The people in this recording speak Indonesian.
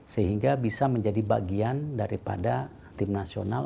sehingga bisa menjadi bagian daripada tim nasional